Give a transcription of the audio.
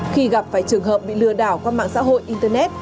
khi gặp phải trường hợp bị lừa đảo qua mạng xã hội internet